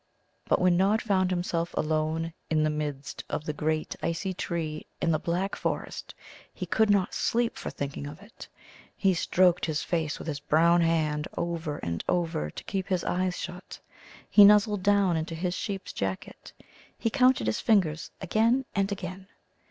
But when Nod found himself alone in the midst of the great icy tree in the black forest, he could not sleep for thinking of it. He stroked his face with his brown hand over and over to keep his eyes shut. He nuzzled down into his sheep's jacket. He counted his fingers again and again.